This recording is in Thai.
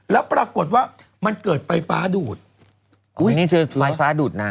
แล้วปรากฏว่ามันเกิดไฟฟ้าดูดอันนี้คือไฟฟ้าดูดนะ